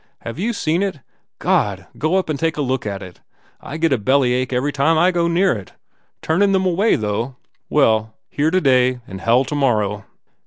Have you seen it? God, go up and take a look at it! I get a bellyache every time I go near it. Turnin them away, though. Well, here today and hell to morrow."